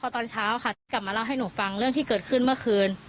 แล้วที่นี้ใช่ไหมคะพอตอนเช้าค่ะกลับมาเล่าให้หนูฟังเรื่องที่เกิดขึ้นเมื่อคืน